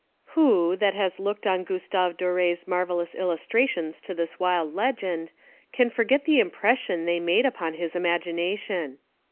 Who, that has looked on Gustave Doré's marvellous illustrations to this wild legend, can forget the impression they made upon his imagination?